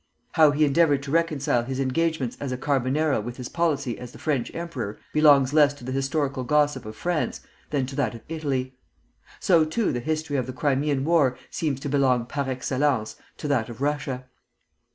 How he endeavored to reconcile his engagements as a Carbonaro with his policy as the French emperor belongs less to the historical gossip of France than to that of Italy. So too the history of the Crimean War seems to belong par excellence to that of Russia.